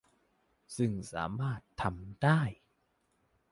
ซึ่งสามารถทำได้